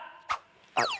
あっ。